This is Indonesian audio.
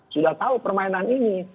sudah tahu permainan ini